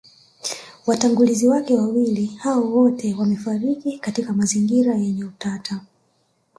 Watangulizi wake wawili hao wote wamefariki katika mazingira yenye utata